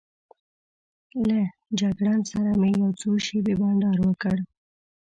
له جګړن سره مې یو څو شېبې بانډار وکړ.